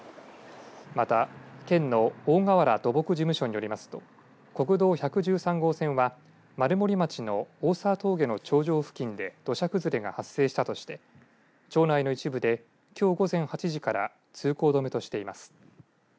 また県の大河原土木事務所によりますと国道１１３号線は丸森町の大沢峠の頂上付近で土砂崩れが発生したとして町内の一部できょう午前８時から通行止めとしています。